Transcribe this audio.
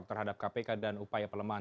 terhadap kpk dan upaya pelemahan